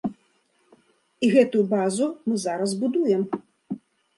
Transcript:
І гэтую базу мы зараз будуем.